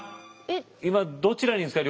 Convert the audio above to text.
今どちらにいるんですか？